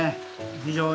非常に。